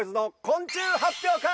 昆虫発表会？